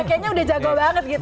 kayaknya udah jago banget gitu